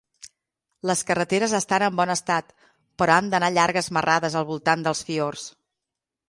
Les carreteres estan en bon estat, però han d'anar llargues marrades al voltant dels fiords.